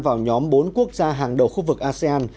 vào nhóm bốn quốc gia hàng đầu khu vực asean